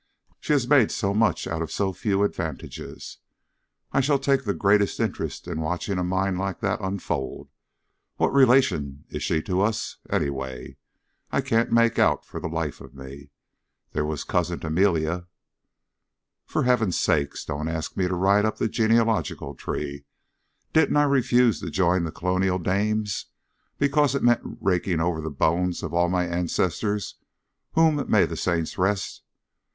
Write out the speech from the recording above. "She has made so much out of so few advantages. I shall take the greatest interest in watching a mind like that unfold. What relation is she to us, anyway? I can't make out, for the life of me. There was Cousin Amelia " "For heaven's sake, don't ask me to write up the genealogical tree. Didn't I refuse to join the Colonial Dames because it meant raking over the bones of all my ancestors whom may the Saints rest!